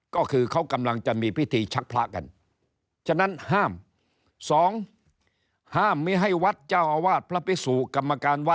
ก็คือกำลังจะมีพิธีชคพละกัน